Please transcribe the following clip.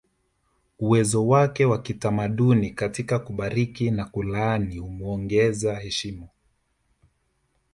Uwezo wake wa kitamaduni katika kubariki na kulaani humuongeza heshima